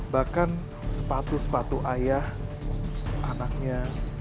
bahkan sepatu sepatu ayah anaknya